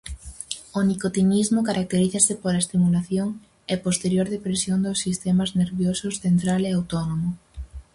O nicotinismo caracterízase pola estimulación e posterior depresión dos sistemas nerviosos central e autónomo.